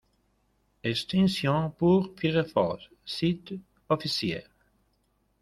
Extensions pour Firefox, site officiel.